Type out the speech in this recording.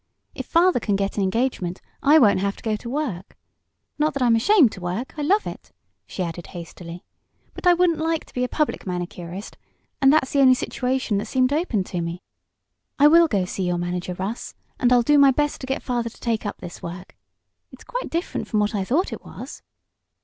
If father can get an engagement I won't have to go to work. Not that I'm ashamed to work I love it!" she added hastily. "But I wouldn't like to be a public manicurist, and that's the only situation that seemed open to me. I will go see your manager, Russ, and I'll do my best to get father to take up this work. It's quite different from what I thought it was."